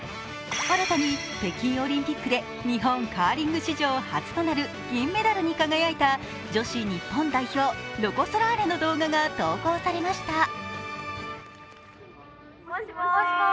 新たに北京オリンピックで日本カーリング史上初となる銀メダルに輝いた女子日本代表ロコ・ソラーレの動画が投稿されました。